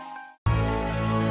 saat mau pergi bounds